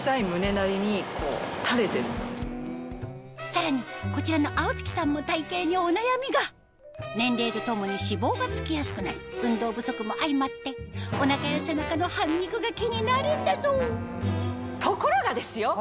さらにこちらの蒼月さんも体形にお悩みが年齢とともに脂肪が付きやすくなり運動不足も相まってお腹や背中のハミ肉が気になるんだそうところがですよ